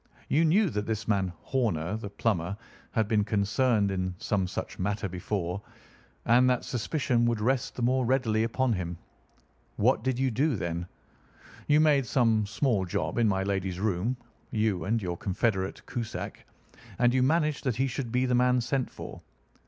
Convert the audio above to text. You knew that this man Horner, the plumber, had been concerned in some such matter before, and that suspicion would rest the more readily upon him. What did you do, then? You made some small job in my lady's room—you and your confederate Cusack—and you managed that he should be the man sent for.